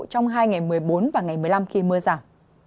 trong hai ngày một mươi bốn và ngày một mươi năm khi mưa giảm